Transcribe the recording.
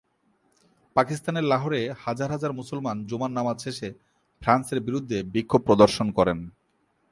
পাকিস্তানের লাহোরে হাজার হাজার মুসলমান জুমার নামাজ শেষে ফ্রান্সের বিরুদ্ধে বিক্ষোভ প্রদর্শন করেন।